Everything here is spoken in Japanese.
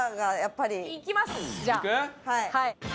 はい。